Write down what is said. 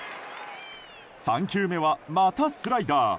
３球目は、またスライダー。